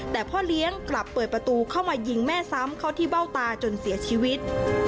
แต่พ่อเลี้ยงกลับเปิดประตูเข้ามายิงแม่ซ้ำเข้าที่เบ้าตาจนเสียชีวิต